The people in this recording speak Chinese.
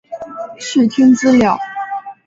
视听资料